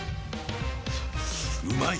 うまい！